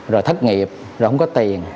rồi thất nghiệp rồi không có tiền